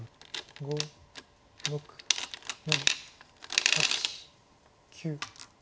５６７８９。